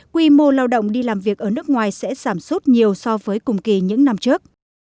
quy mô lao động đi làm việc ở nước ngoài sẽ giảm sút nhiều so với cùng kỳ những năm trước